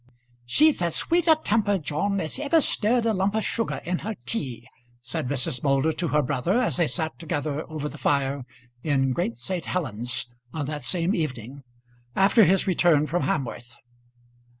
"She's as sweet a temper, John, as ever stirred a lump of sugar in her tea," said Mrs. Moulder to her brother, as they sat together over the fire in Great St. Helen's on that same evening, after his return from Hamworth.